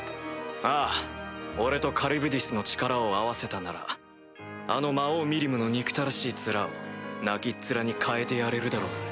ああ俺とカリュブディスの力を合わせたならあの魔王ミリムの憎たらしい面を泣きっ面に変えてやれるだろうぜ。